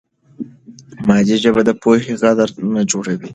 مادي ژبه د پوهې غدر نه جوړوي.